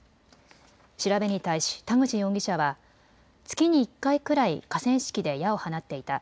調べに対し田口容疑者は月に１回くらい河川敷で矢を放っていた。